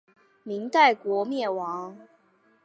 明代国灭亡。